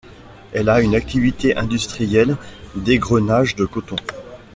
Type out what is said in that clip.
Elle a une activité industrielle d'égrenage de coton.